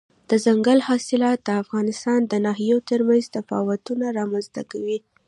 دځنګل حاصلات د افغانستان د ناحیو ترمنځ تفاوتونه رامنځ ته کوي.